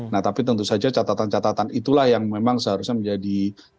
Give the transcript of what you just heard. nah tapi tentu saja catatan catatan itulah yang memang seharusnya menjadi